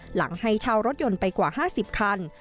หลังให้เช่ารถยนต์ไปกว่า๕๐คัน